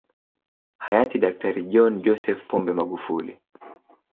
Hayati Daktari John Joseph Pombe Magufuli